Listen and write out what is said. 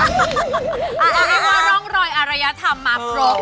เอาไอ้ว่าร่องรอยอรยธรรมมาพรบ